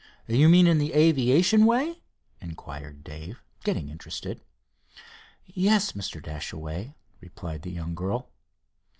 "You mean in the aviation way?" inquired Dave, getting interested. "Yes, Mr. Dashaway," replied the young girl.